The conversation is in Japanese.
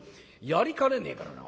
やりかねねえからな。